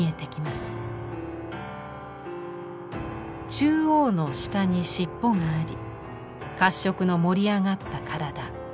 中央の下に尻尾があり褐色の盛り上がった体。